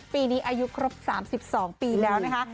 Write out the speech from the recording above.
ปีนี้อายุครบ๓๒ปีแล้วนะคะ